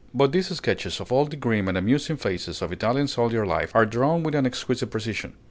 But these sketches of all the grim and amusing phases of Italian soldier life are drawn with an exquisite precision.